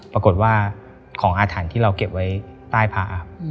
ปรากฏว่าของอาถรรพ์ที่เราเก็บไว้ใต้ผา